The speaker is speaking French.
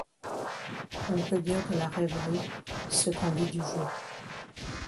On peut dire de la rêverie ce qu’on dit du jeu.